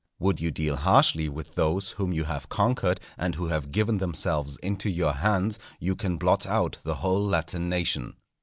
Would you deal harshly with those whom you have conquered and who have given themselves into your hands, you can blot out the whole Latin nation.